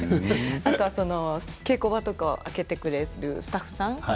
あとは稽古場とかを開けてくれるスタッフさん